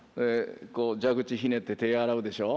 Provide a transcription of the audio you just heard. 蛇口ひねって手洗うでしょ。